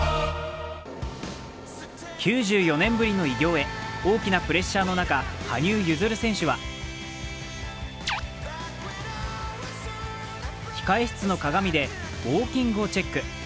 ９４年ぶりの偉業へ、大きなプレッシャーの中、羽生結弦選手は控え室の鏡でウオーキングをチェック。